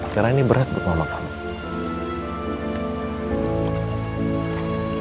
karena ini berat buat mama kamu